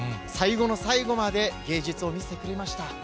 最後の最後まで芸術を見せてくれました。